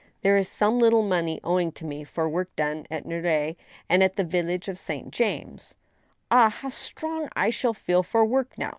There is some little money owing to me for work done at Neuilly and at the village of St. James. Ah ! how strong I shall feel for work now